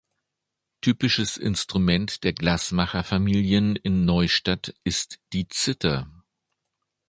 Typisches Instrument der Glasmacher-Familien in Neustadt ist die Zither.